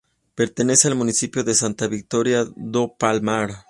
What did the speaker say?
Pertenece al municipio de Santa Vitória do Palmar.